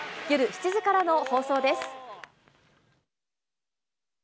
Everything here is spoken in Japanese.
夜７時からの放送です。